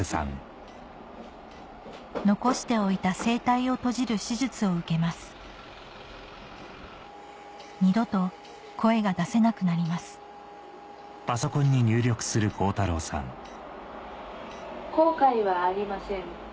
残しておいた声帯を閉じる手術を受けます二度と声が出せなくなります後悔はありません。